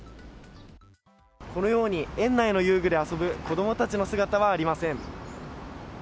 このように、園内の遊具で遊ぶ子どもたちの姿はありません。